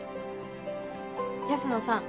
安野さん。